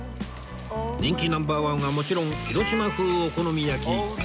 人気ナンバー１はもちろん広島風お好み焼き